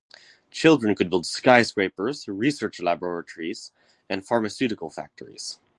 Children could build skyscrapers, research laboratories and pharmaceutical factories.